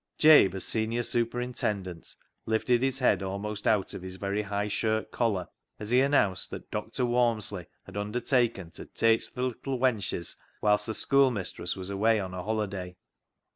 Jabe, as senior superintendent, lifted his head almost out of his very high shirt collar as he announced that " Dr. Walmsley " had undertaken to " teich th' little wenches " whilst the schoolmistress was away on her holiday.